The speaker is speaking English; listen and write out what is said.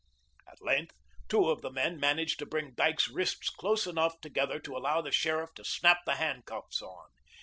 At length, two of the men managed to bring Dyke's wrists close enough together to allow the sheriff to snap the handcuffs on.